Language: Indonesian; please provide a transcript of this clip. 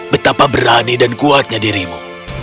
betapa berani dan kuatnya dirimu